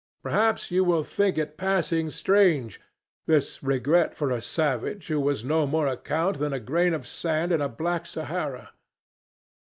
Perhaps you will think it passing strange this regret for a savage who was no more account than a grain of sand in a black Sahara.